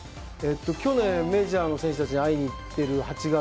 去年メジャーの選手たちに会いに行った８月